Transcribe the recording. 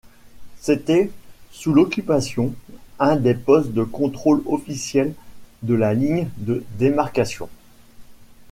C'était, sous l'Occupation, un des postes de contrôle officiels de la Ligne de démarcation.